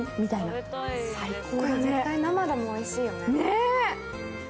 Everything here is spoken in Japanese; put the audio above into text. これ絶対、生でもおいしいよね。